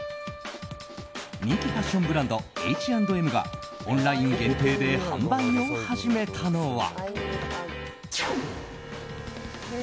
人気ファッションブランドＨ＆Ｍがオンライン限定で販売を始めたのは。